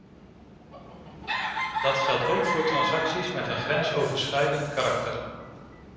Dat geldt ook voor transacties met een grensoverschrijdend karakter.